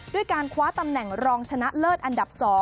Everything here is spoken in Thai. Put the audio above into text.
ด้วยการคว้าตำแหน่งรองชนะเลิศอันดับ๒